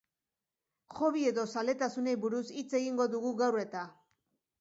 Hobby edo zaletasunei buruz hitz egingo dugu gaur eta.